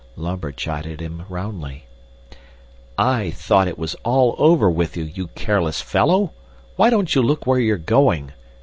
Lambert chided him roundly. "I thought it was all over with you, you careless fellow! Why don't you look where you are going?